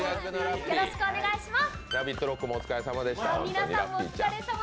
よろしくお願いします。